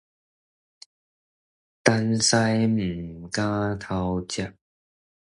擔屎毋敢偷食